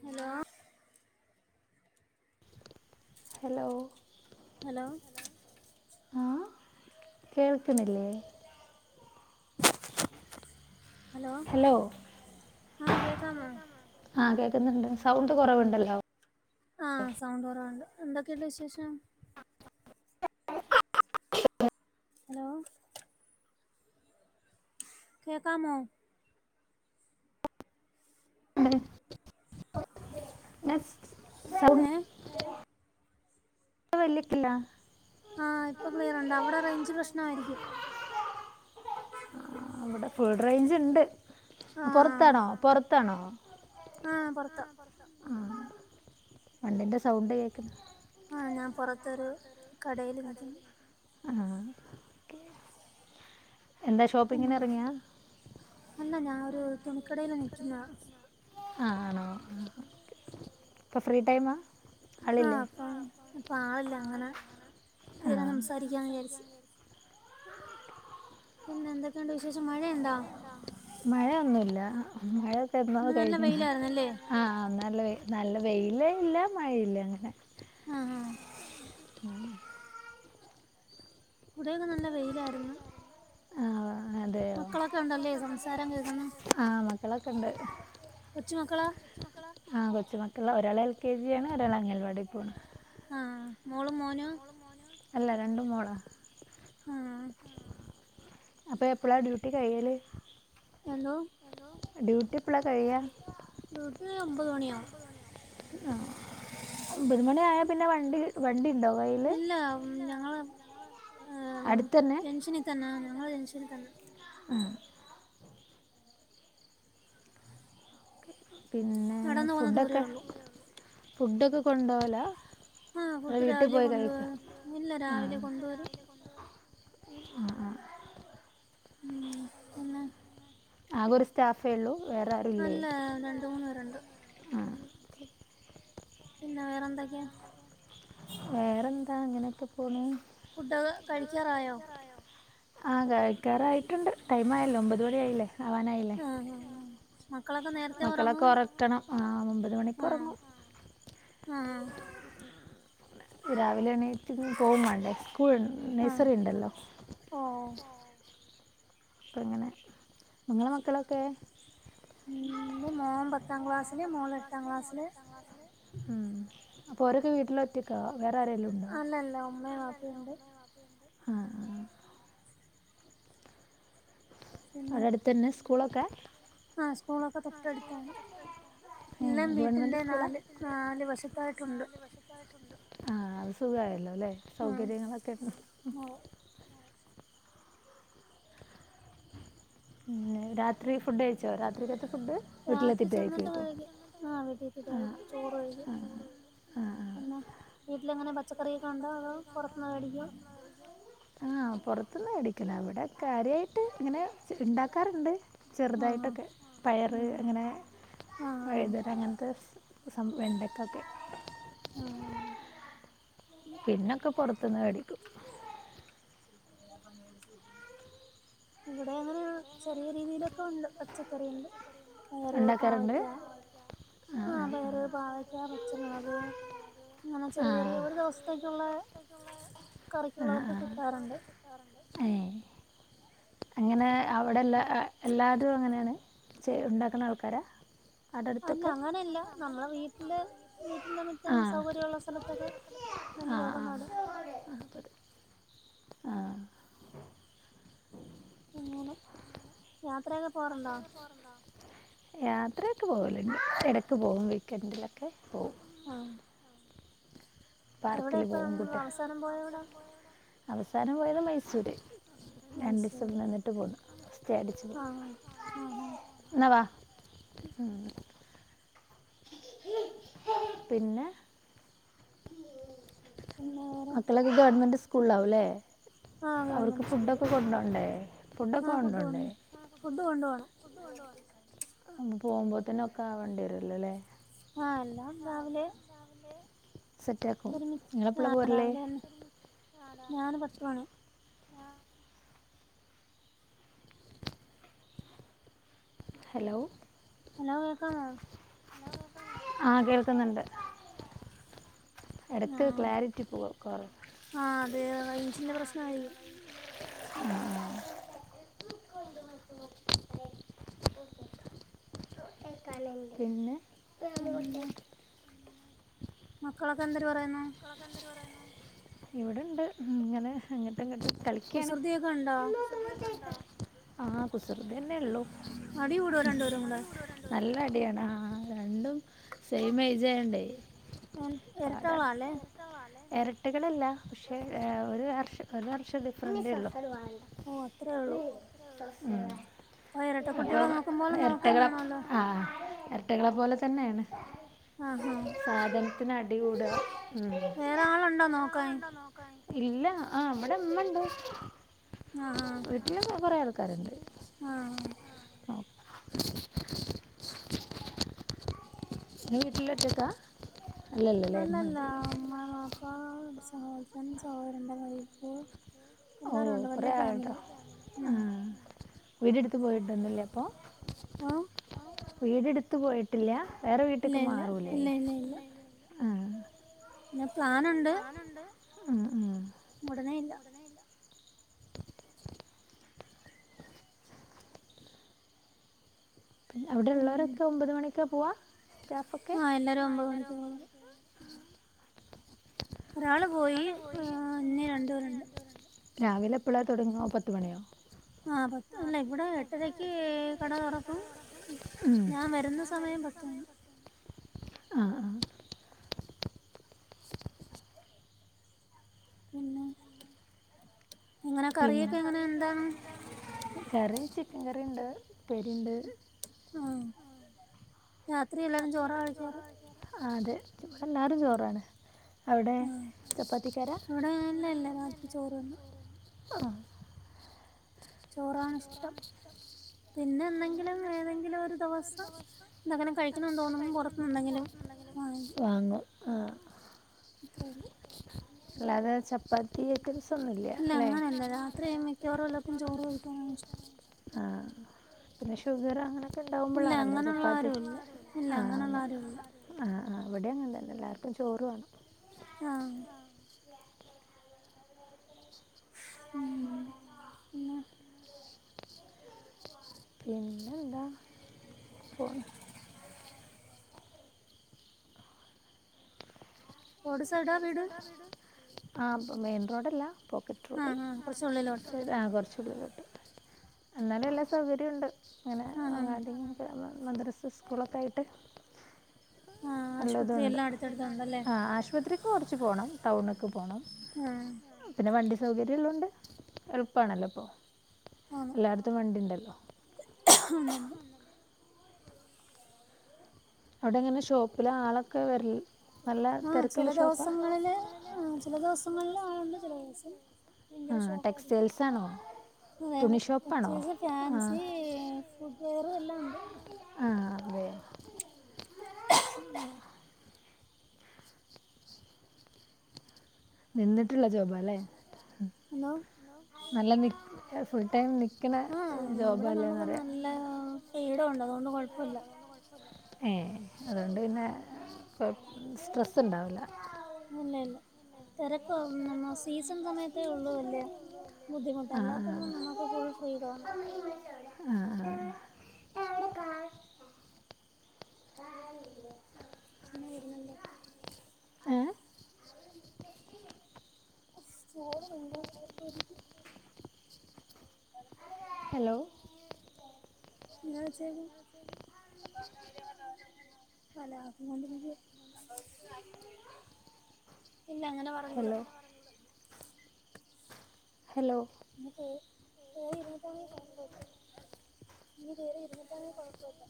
എന്ന [unintelligible] hello hello ആഹ കേൾക്കണില്ലേ ഉ [unintelligible] ഹലോ ആ കേൾക്കാമ എ സൗണ്ട് കുറവുണ്ടല്ലോ ആഹ സൗണ്ട് കുറവണ്ട് എന്തൊക്കെയണ്ട് വിശേഷം ഹലോ കേക്കാമോ? എന്ന സൗ [unintelligible] വലിക്കല ആ അവിടെ ഫുൾ റേഞ്ച് ഉണ്ട് പുറത്താണോ പൊറത്താണോ ആഹ് പൊറത്താ ആ വണ്ടിൻ്റെ സൗണ്ട് കേൾക്കുന്നു ആ ഞാൻ പുറത്തൊരു കടയില് നിൽക്കുന്നു ആഹ ഓക്കെ ഉം അല്ല ഞാാന ഒരു തുണിക്കടയില നിക്കുന്ന ആ ആണോ ഇപ്പം ഫ്രീ ടൈം ആഹ അപ്പം അപ്പ ആളില്ല അങ്ങനെ തീരാൻ സംസാരിക്കാന്ന് വിചാരിച്ചു പിന്നെ എന്തൊ മഴയൊന്നുമല്ല മഴ കഴിക്ക ആഹ നല്ല നല്ല വെയില ഇല്ല മഴയില്ല അങ്ങനെ ആഹ ആഹ ഇവിടെയൊക്കെ നല്ല വെയിലായിരുന്നു മക്കളൊക്കെ ഉണ്ടല്ലേ സംസാരം കേൾക്കുന്ന് കൊച്ചു മക്കളാ ആഹ കൊച്ചുമക്കളാ ഒരാൾ എൽ കെ ജി ആണ് ഒരാൾ അംഗൻവാടി പോണ് ആ മോളും മോനാ അല്ലാ രണ്ടും മോളാ ആ മ്മ് അപ്പൊ എപ്പഴാ ഡ്യൂട്ടി കഴിയല് എന്തോ ഡ്യൂട്ടി എപ്പളാ കഴിയാ ഡ്യൂട്ടി ഒൻപതു മണിയാവും ആ ഒമ്പത് മണി ആായൽ പിന്നെ വണ്ടി വണ്ടി ഇല്ല മ്മ് ഞങ്ങള് അ ജങ്ഷനിൽ തന്നെയാണ് ഞങ്ങൾ ജങ്ഷനിൽ തന്നെ ആ പിന്നെ ഫുഡൊക്കെ ഫോഡൊക്കെ കൊണ്ടുപോവലാ ആഹ ഫുഡ് രാവിലെ കൊണ്ടോരും ഇല്ല്യാ രാവിലെ കൊണ്ടോരും ആ ആ ആകെ ഒരു സ്റ്റാഫേ ഉള്ളു വേറെ ആരും ഇല്ലേ അല്ല രണ്ട് മൂന്ന് പേരുണ്ട് ആ ആ പിന്നെ വേറെ എന്തൊക്കെയാ വേറെ എന്താ അങ്ങനെയൊക്കെ പോണ് ഫുഡ്‌ടൊക്കെ കഴിക്കാറായോ ആ കഴിക്കാറായിട്ടുണ്ട് ടൈം ആയല്ലോ ഒമ്പത് മണി ആയില്ലേ ആവാനായില്ലേ ആ മക്കളെയൊക്കെ ഉറക്കണം ആ ഒമ്പതു മണിക്ക് ഉറങ്ങും ആ ആ ആ രാവിലെ എണീറ്റോ പോവും വേണ്ടേ സ്കൂൾ നഴ്സറി ഉണ്ടല്ലോ മ്മ് അപ്പോ എങ്ങനെ നിങ്ങളെ മക്കളൊക്കെ മ്മ് ന്റെ മോൻ പത്താം ക്ലാസ്സില് മോള് എട്ടാം ക്ലാസ്സില് ഉം അപ്പോ ഓരോക്കെ വീട്ടിൽ ഒറ്റയ്ക്കാ അല്ല അല്ല ഉമ്മയും വാപ്പയുംണ്ട് ആ ആ അവിടെ അടുത്ത് തന്നെ സ്കൂളൊക്കെ ആ സ്കൂളൊക്കെ തൊട്ട് അടുത്താണ് എല്ലാം വീട്ടിന്റെ നാല് നാല് വശത്തായിട്ടുണ്ട് ആ ആ അത് സുഖയല്ലോ അല്ലെ സൗകര്യങ്ങളൊക്കെ മ്മ് രാത്രി ഫുഡ് കഴിച്ചോ രാത്രിക്കത്തെ രാത്രി ചെന്നിട്ട് വൈകി ആ വീട്ടിത്തിട്ടായി ചോറ് കഴിക്കയേ പിന്നെ വീട്ടിലെങ്ങനെ പച്ചക്കറികളൊക്കെ ഉണ്ടോ അതോ പുറത്തു നിന്ന് വേടിക്കോ ആ പുറത്തുന്ന് മേടിക്കില്ലാ അവിടെ കാര്യമായിട്ട് ഇങ്ങനെ ഉണ്ടാക്കാറുണ്ട് ചെറുതായിട്ടൊക്കെ പയറ് അങ്ങനെ വഴുതര അങ്ങനത്തെ സം വെണ്ടക്കൊക്കെ ആ ആ പിന്നൊക്കെ പൊറത്തുന്ന് മേടിക്കും ത പണിയ എടു [unintelligible] ഇവിടെ അങ്ങനെ ചെറിയ രീതിയിലൊക്കെ ഉണ്ട് പച്ചക്കറി ഉണ്ട് ഇണ്ടാകറുണ്ട് ആ പയർ, പാവക്കാ, പച്ചമളക് അങ്ങനെ ചെറിയ ചെറിയ ഒരു ദിവസത്തേക്കുള്ള കറിക്കുള്ളതൊക്കെ കിട്ടാറുണ്ട് ച്ഛ് അങ്ങനെ അവിടെല്ല എല്ലാവരും അങ്ങനെയാണ് ചെയ് ഉണ്ട കുന്ന ആൾക്കാരാ അല്ല അങ്ങനെയല്ല നമ്മളെ വീട്ടില് വീട്ടിന്റെ മുറ്റം സൗകര്യള്ള സ്ഥലത്തൊക്കെ എന്തെങ്കിലും ഒക്കെ നട് ആ അങ്ങനെ യാത്രയൊക്കെ പോവാറുണ്ടോ യാത്രയൊക്കെ പോവലുണ്ട് ഇടയ്ക്ക് പോവും വീക്കൻഡിലൊക്കെ പോവും ആ എവിടെ ഇപ്പം അവസാനം പോയ എവിടാ അവസാനം പോയത് മൈസൂര് രണ്ട് ഈസം നിന്നിട്ട് പോന്നു ചെ അടിച്ചത് എന്നവാ പിന്നെ മക്കളൊക്കെ ഗവണ്മെന്റ് സ്കൂളിലാവൂല്ലേ അവർക്ക് ഫുഡൊക്കെ കൊണ്ടോണ്ടേ ഫുഡൊക്കെ കൊണ്ടോണ്ടേ പോകുമ്പോത്തന്നെ ഒക്കെ ആവേണ്ടി വരൂല്ലോല്ലേ ആ എല്ലാം രാവിലെ ഒരുമിച്ച് ആ രാവിലെതന്നെ ഞാന് പത്ത് മണി ഹലോ ഹലോ കേക്കാമോ ആ കേൾക്കുന്നുണ്ട് ആ ആ അതേയോ റേഞ്ചിന്റെ പ്രശ്നമായിരിക്കും ആ പിന്നെ മക്കളൊക്കെ എന്തരു പറയുന്നു ഇവിടുണ്ട് ഇങ്ങനെ അങ്ങട്ടങ്ങട്ട് കളിക്കാണ് ആ കുസൃതിയന്നെ ഉള്ളു അടി കൂടോ രണ്ട് പേരും കൂടെ ഏ രണ്ടും സെയിം ഏജ് ആയൊണ്ടേ ഏ എരട്ടോളാ അല്ലേ ഇരട്ടകളല്ല പക്ഷേ ഒരു വർഷം ഒരു വർഷം ഡിഫറൻസേ ഉള്ളു ഓ അത്രയേ ഉള്ളു അപ്പൊ ഇരട്ടകൾ ആ ഇരട്ടകളെ പോലെ തന്നെയാണ് ആ ആ അടി കൂടാ വേറെ ആളുണ്ടോ നോക്കാൻ ഇല്ല ആ ഇവിടെ ഇമ്മണ്ട് വീട്ടിലും കൊറേ ആൾക്കാരുണ്ട് ആ [unintelligible] നീ വീട്ടിലൊറ്റക്കാ അല്ല അല്ല ഉമ്മ വാപ്പ സഹോദരൻ സഹോദരന്റെ വൈഫ് ഓ കൊറേ ആളുണ്ടോ ആ വീടെടുത്ത് പോയിട്ടൊന്നില്ല അപ്പോ വീടെടുത്ത് പോയിട്ടില്ല വേറെ വീട്ടിക്ക് മാറൂല്ലേ ആ പിന്നെ പ്ലാനുണ്ട് ഉം ഉം ഉടനെ ഇല്ലാ പിന്നെ അവ്ടെ ഉള്ളോരൊക്കെ ഒമ്പത് മണിക്കാ പോവാ സ്റ്റാഫൊക്കെ ആഹ് എല്ലാരും ഒമ്പത് മണിക്ക് ഒരാള് പോയി ആഹ് ഇനി രണ്ട്പേരുണ്ട് രാവിലെ എപ്പളാ താെടങ്ങാ പത്ത്മണ്യോ? ആഹ് പത്ത് അല്ല ഇവിടെ എട്ടരക്ക് കട തോറ - അപ്പം ഞാൻ വരുന്ന സമയം പത്ത് മണി ആഹ് ആഹ് പിന്നെ പിന്നെ കറിയൊക്കെ എങ്ങനെ ഒണ്ട് കറി ചിക്കൻ കറിയുണ്ട് ഉപ്പേരി ഒണ്ട് ആഹ് രാത്രി എല്ലാരും ചോറ് ആ കഴിക്കാറ് ആ അതെ എല്ലാരും ചോറാണ് അവിടെ ചപ്പാത്തിക്കാര ഇവിടെ അങ്ങനെ ഒന്നും ഇല്ല ചപ്പാ - ആഹ് ചോറ് ആണ് ഇഷ്ടം പിന്നെ എന്തെങ്കിലും വേണോങ്കില് ഒരു ദെവസം എന്തനെങ്കിലും കഴിക്കണോന്ന് തോന്നുമ്പോ പുറത്തിന്ന് എന്തെങ്കിലും വാങ്ങിക്കും ആഹ് ഇത്രേയുള്ളു അല്ലാതെ ചപ്പാത്തിക്ക- അല്ല അങ്ങനെയല്ല രാത്രി മിക്കവാറും എല്ലാർക്കും ചോറ് കഴിക്കാനാണ് ഇഷ്ടം ആ പിന്നെ ഷുഗർ അങ്ങനെ- ഉണ്ടാവുമ്പോള്ളാണല്ലോ ചപ്പാത്തി ആഹ് ആഹ് ആ ഇവിടെയ് അങ്ങനെ അല്ല എല്ലാവർക്കും ചോറ് വേണം [unintelligible] പിന്നെ പിന്നെ എന്താ പോണ് റോഡ് സൈഡ് ആയാ പ് വീട് ആ മെയിൻ റോഡല്ല ഇപ്പൊ വെട്ടുറോഡ് ആ ആ കൊറച്ച് ഉള്ളിലോട്ട് എന്നാലും എല്ലാ സൗകര്യവും ഉണ്ട് അങ്ങനെ അങ്ങധ [unintelligible] ങ്ങക്കെ മദ്രസ സ്കൂളൊക്കെ ആയിട്ട് അല്ലതുംണ്ട് ആ ആശുപത്രി പോണം ടൗണ്ക്ക് പോണം പിന്നെ വണ്ടി സൗകര്യം ഒള്ളൊണ്ട് എളുപ്പാണല്ലോ അപ്പോ എല്ലാടത്തും വണ്ടി ണ്ടല്ലോ [unintelligible] അവടെ എങ്ങനെ ഷോപ്പില് ആളൊക്കെ വരല് ആഹ് ചെല ദേവസങ്ങളില് ആഹ് ചെല ദേവസങ്ങളില് ആളണ്ട് ചെല ദേവസം ആഹ് ടെക്സ്റ്റൈൽസാണോ അതെ അതെ ടെക്സെസ്സ് ഫാൻസി ഫുഡ് വെയർ എല്ലാം ഒണ്ട് ആഹ്‌ വേ നിന്നിട്ടുള്ള ജോബല്ലേ നല്ല നിക്ക് ഫുൾ ടൈം നി ക്കണ ജോബാലെന്ന് പറയാ [unintelligible] ഒള്ളത്കൊണ്ട് കൊഴപ്പല്ല ഏഹ് അതുകൊണ്ട് പിന്നെ കൊ സ്ട്രെസ് ഇണ്ടാവില്ല ഇല്ല ഇല്ല തെരക്ക് നമ്മ സീസൺ സമയത്തേ ഒള്ളു വല്യ ബുദ്ധിമുട്ട് അല്ലാത്തപ്പം നമുക്ക് ഫുൾ ഫ്രീഡവാണ് [inaudible] ഏഹ് [inaudible] ഹലോ [unintelligible] [inaudible] അല്ല ആക്കൊണ്ടിരിക്ക ഇല്ല അങ്ങനെ പറഞ്ഞൂട ഹലോ കേറി ഇരുന്നിട്ട് ആണെങ്കിൽ കുഴപ്പമില്ല ഇ നേരെ ഇരുന്നിട്ടണ കൊഴപ്പില്ല